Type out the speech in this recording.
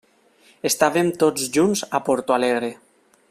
Estàvem tots junts a Porto Alegre.